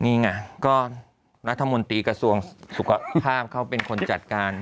นี่ไงก็รัฐมนตรีกระทรวงสุขภาพเขาเป็นคนจัดการ